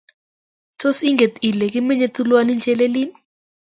tos inget ile kimenyei tulwoni chelelein